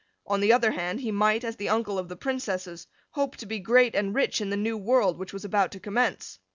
On the other hand he might, as the uncle of the Princesses, hope to be great and rich in the new world which was about to commence.